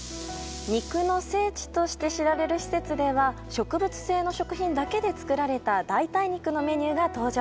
肉の聖地として知られる施設では植物性の食品だけで作られた代替肉のメニューが登場。